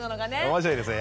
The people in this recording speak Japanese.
面白いですね